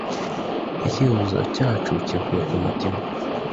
icyifuzo cyacu kivuye ku mutima